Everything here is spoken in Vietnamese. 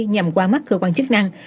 nhằm qua mắt cơ quan chức năng